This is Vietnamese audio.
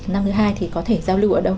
năm thứ hai thì có thể giao lưu ở đâu